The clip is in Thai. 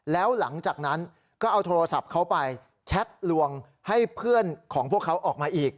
แล้วหลังจากนั้นก็เอาโทรศัพท์เขาไปแชทลวงให้เพื่อนของพวกเขาออกมาอีก